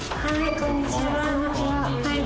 こんにちは。